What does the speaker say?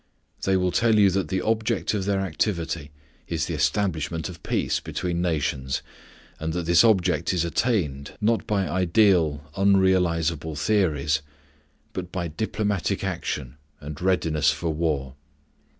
They will tell you that the object of their activity is the establishment of peace between nations, and that this object is attained, not by ideal, unrealizable theories, but by diplomatic action and readiness for war.